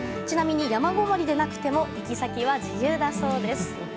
ちなみに山ごもりでなくても行き先は自由だそうです。